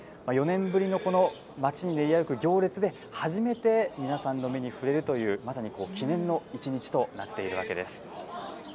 ４年ぶりにこの町に練り歩く行列で、初めて皆さんの目に触れるという、まさに記念の一日となっているわけです。